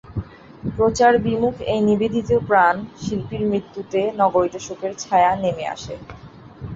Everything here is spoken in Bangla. প্রচারবিমুখ এই নিবেদিতপ্রাণ শিল্পীর মৃত্যুতে নগরীতে শোকের ছায়া নেমে আসে।